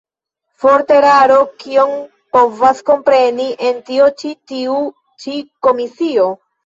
Forta eraro: kion povas kompreni en tio ĉi tiu ĉi komisio?